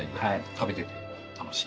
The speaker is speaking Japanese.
食べてて楽しい。